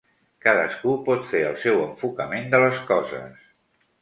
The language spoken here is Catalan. Cadascú pot fer el seu enfocament de les coses.